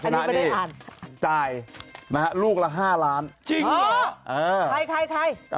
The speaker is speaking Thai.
ชนะดีจ่ายนะครับลูกละ๕ล้านจริงเหรอใคร